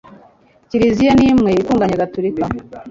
kiliziya ni imwe itunganye gatolika